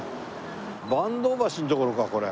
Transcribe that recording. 阪東橋の所かこれ。